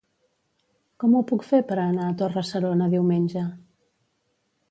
Com ho puc fer per anar a Torre-serona diumenge?